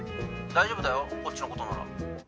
「大丈夫だよこっちの事なら」